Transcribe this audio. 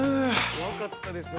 怖かったですよ